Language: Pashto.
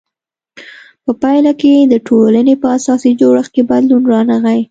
په پایله کې د ټولنې په اساسي جوړښت کې بدلون رانغی.